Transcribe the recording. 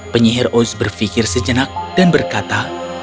penyihir ouz berfikir sejenak dan berkata